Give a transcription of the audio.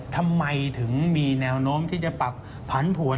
ทำไมถึงมีแนวโน้มที่จะปรับผันผวน